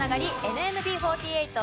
ＮＭＢ４８